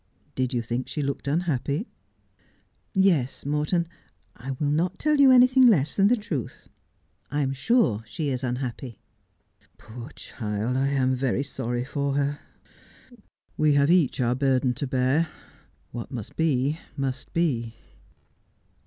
' Did you think she looked unhappy ?'' Yes, Morton. I will not tell you anything less than the truth. I am sure she is unhappy.' ' Poor child, I am very sorry for her. We have each our burden to bear. What must be must be.'